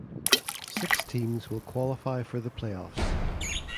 Six teams will qualify for the playoffs.